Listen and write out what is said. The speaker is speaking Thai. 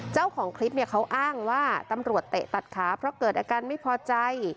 เจ้าของคลิปเนี่ยเขาอ้างว่าตำรวจเตะตัดขาเพราะเกิดอาการไม่พอใจ